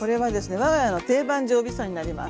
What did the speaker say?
我が家の定番常備菜になります。